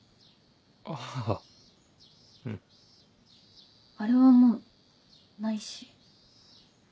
あぁうん。あれはもうないし。